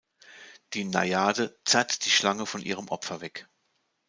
Die Najade zerrt die Schlange von ihrem Opfer weg.